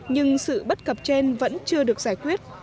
nhưng sự bất cập trên vẫn chưa được giải quyết